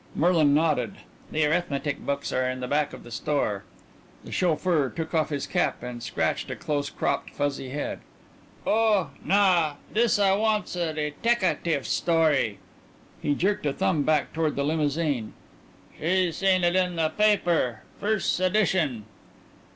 Merlin nodded. "The arithmetic books are in the back of the store." The chauffeur took off his cap and scratched a close cropped, fuzzy head. "Oh, naw. This I want's a detecatif story." He jerked a thumb back toward the limousine. "She seen it in the paper. Firs' addition."